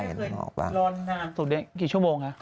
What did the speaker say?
รอนานสุดเนี่ยกี่ชั่วโมงคะ